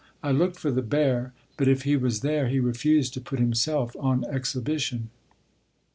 I looked for the bear, but if he was there, he refused to put himself on exhibition.